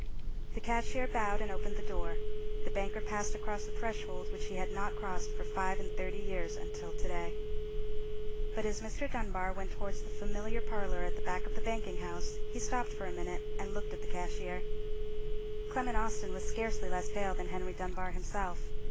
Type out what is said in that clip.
The cashier bowed and opened the door. The banker passed across the threshold, which he had not crossed for five and thirty years until to day. But as Mr. Dunbar went towards the familiar parlour at the back of the banking house, he stopped for a minute, and looked at the cashier. Clement Austin was scarcely less pale than Henry Dunbar himself.